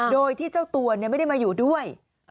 โดยที่เจ้าตัวไม่ได้มาอยู่ด้วย